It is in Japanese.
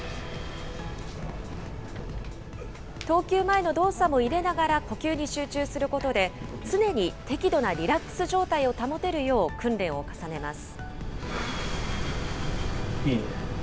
投球前の動作も入れながら、呼吸に集中することで、常に適度なリラックス状態を保てるよう、訓練を重ねます。